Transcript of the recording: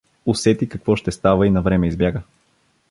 Усети какво ще става и навреме избяга.